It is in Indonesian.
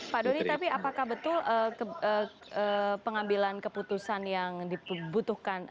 pak doni tapi apakah betul pengambilan keputusan yang dibutuhkan